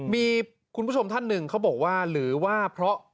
มีคุณผู้ชมท่านหนึ่งเขาบอกว่าหรือว่าเพราะ